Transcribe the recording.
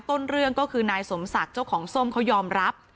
ต้นเรื่องก็คือนายสมศักดิ์เจ้าของส้มเขายอมรับ